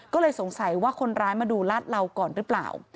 ก็เลยสงสัยว่าคนร้ายมาดูลาดเหลาก่อนหรือเปล่า